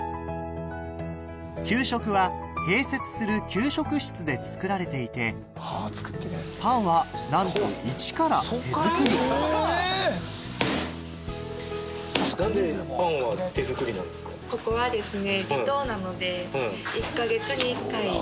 給食は併設する給食室で作られていてパンはなんとイチから手作りここはですね。